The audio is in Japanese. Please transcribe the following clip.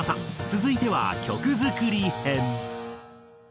続いては曲作り編。